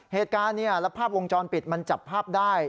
เหตุการณ์เนี่ยแล้วภาพวงจรปิดมันจับภาพได้